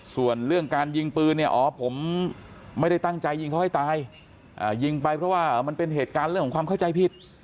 ส่วนเรื่องการยิงปืนเนี่ยอ๋อผมไม่ได้ตั้งใจยิงเขาให้ตายยิงไปเพราะว่ามันเป็นเหตุการณ์เรื่องของความเข้าใจผิด